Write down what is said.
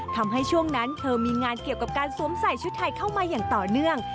ช่วงนั้นเธอมีงานเกี่ยวกับการสวมใส่ชุดไทยเข้ามาอย่างต่อเนื่อง